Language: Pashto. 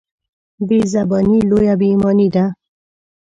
بېزباني لویه بېايماني ده.